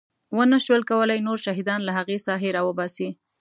ونه شول کولی نور شهیدان له هغې ساحې راوباسي.